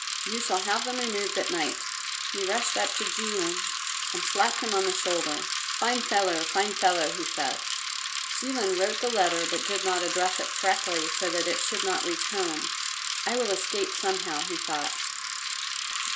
You shall have them removed at night." He rushed up to Jilin and slapped him on the shoulder. "Fine fellow! fine fellow!" he said. Jilin wrote the letter, but did not address it correctly, so that it should not reach home. "I will escape, somehow," he thought.